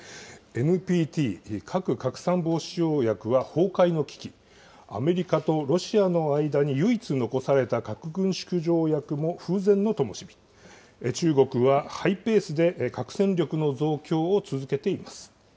ＮＰＴ・核拡散防止条約は崩壊の危機、アメリカとロシアの間に唯一残された核軍縮条約も風前のともし火、中国はハイペースで核戦力の増強を続けています。